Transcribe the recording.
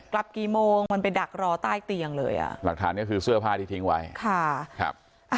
กลับกี่โมงมันไปดักรอใต้เตียงเลยอ่ะหลักฐานก็คือเสื้อผ้าที่ทิ้งไว้ค่ะครับ